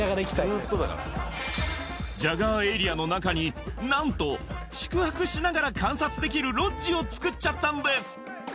ずーっとだからジャガーエリアの中に何と宿泊しながら観察できるロッジをつくっちゃったんです